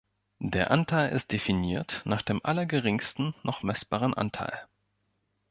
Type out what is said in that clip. Der Anteil ist definiert nach dem allergeringsten noch messbaren Anteil.